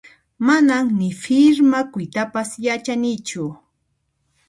Manan ni firmaykuytapas yachanichu